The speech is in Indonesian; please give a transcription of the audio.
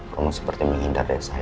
kamu seperti menghindar dari saya